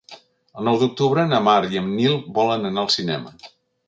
El nou d'octubre na Mar i en Nil volen anar al cinema.